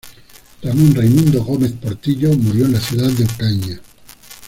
Ramon Raimundo Gómez Portillo murió en la ciudad de Ocaña.